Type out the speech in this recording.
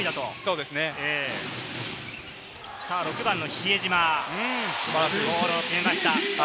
６番の比江島、ゴールを決めました。